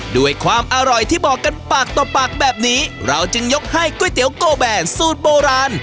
ด้วยความอร่อยที่บอกกันปากต่อปากแบบนี้เราจึงยกให้ก๋วยเตี๋ยวโกแบนสูตรโบราณ